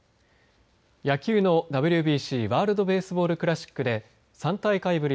野球のＷＢＣ・ワールドベースボールクラシックで、３大会ぶり